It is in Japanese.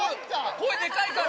声、でかいから。